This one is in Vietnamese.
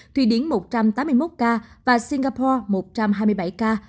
thụy điển một trăm tám mươi một ca và singapore một trăm hai mươi bảy ca